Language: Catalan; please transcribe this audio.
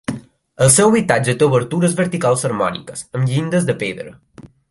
El seu habitatge té obertures verticals harmòniques, amb llindes de pedra.